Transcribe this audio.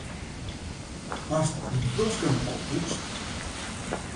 Hast dyn tosken al poetst?